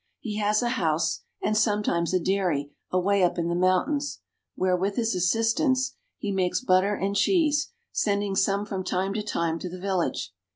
He has a house, and sometimes a dairy, away up in the mountains, where, with his assistants, he makes butter and cheese, sending some from time to time to the village.